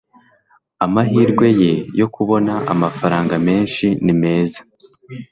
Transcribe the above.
amahirwe ye yo kubona amafaranga menshi ni meza